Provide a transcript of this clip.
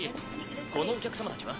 このお客様たちは？